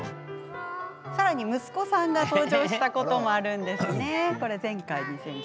さらに、息子さんが登場することもあるんです。